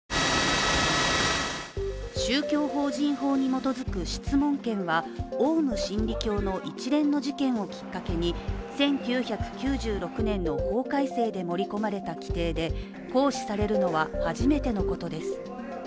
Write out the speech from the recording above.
宗教法人法に基づく質問権はオウム真理教の一連の事件をきっかけに１９９６年の法改正で盛り込まれた規程で、行使されるのは初めてのことです。